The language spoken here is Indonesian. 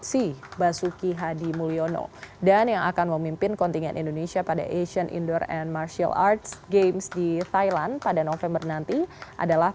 sea basuki hadi mulyono dan yang akan memimpin kontingen indonesia pada asian indoor and martial arts games di thailand pada november nanti adalah